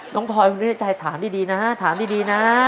น้องพลอยู่ในใจถามดีนะฮะถามดีนะ